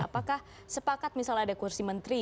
apakah sepakat misalnya ada kursi menteri